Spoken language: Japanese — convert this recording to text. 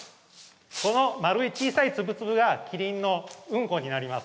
この丸い小さい粒々がキリンのうんこになります。